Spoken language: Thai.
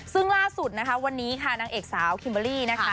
ซึ่งล่าสุดนะคะวันนี้ค่ะนางเอกสาวคิมเบอร์รี่นะคะ